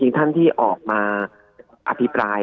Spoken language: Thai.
ท่านที่ออกมาอภิปราย